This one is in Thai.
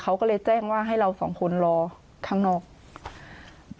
เขาก็เลยแจ้งว่าให้เราสองคนรอข้างนอก